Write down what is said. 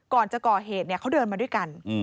ก่อนจะก่อเหตุเขาเดินมาด้วยกัน